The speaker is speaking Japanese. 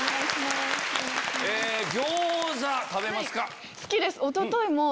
餃子食べますか？